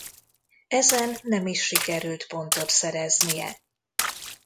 Ezen nem is sikerült pontot szereznie.